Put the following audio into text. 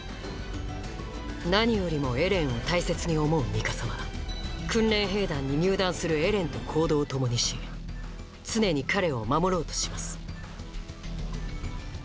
何よりもエレンを大切に思うミカサは訓練兵団に入団するエレンと行動を共にし常に彼を守ろうとします